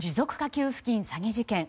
給付金詐欺事件。